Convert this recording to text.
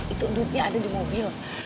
itu duitnya ada di mobil